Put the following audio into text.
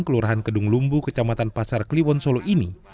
kelurahan kedung lumbu kecamatan pasar kliwon solo ini